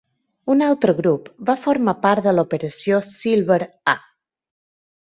Un altre grup va formar part de l'operació Silver A.